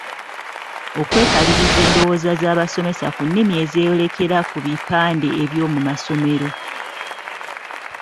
Okwekkaliriza endowooza z'abasomesa ku nnimi ezeeyolekera ku bipande eby'omu masomero.